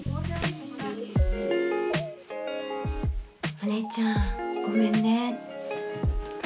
お姉ちゃんごめんね。